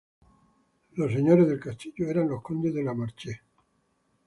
Los señores del castillo eran los condes de La Marche.